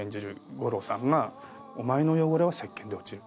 五郎さんが「お前の汚れはせっけんで落ちる」